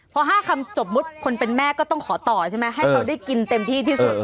พอ๕คำจบมุติคนเป็นแม่ก็ต้องขอต่อใช่ไหมให้เขาได้กินเต็มที่ที่สุด